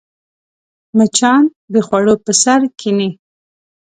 مچان د خوړو پر سر کښېني